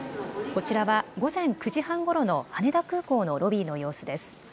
こちらは午前９時半ごろの羽田空港のロビーの様子です。